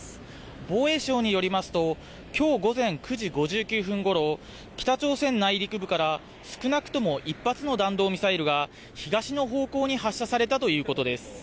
防衛省によりますときょう午前９時５９分ごろ、北朝鮮内陸部から少なくとも１発の弾道ミサイルが東の方向に発射されたということです。